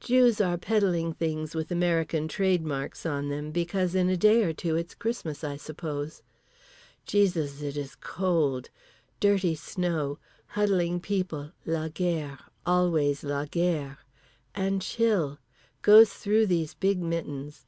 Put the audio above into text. Jews are peddling things with American trade marks on them, because in a day or two it's Christmas I suppose. Jesus it is cold. Dirty snow. Huddling people. La guerre. Always la guerre. And chill. Goes through these big mittens.